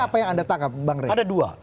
apa yang anda tangkap bang rai ada dua